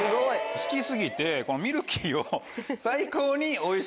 好き過ぎてミルキーを。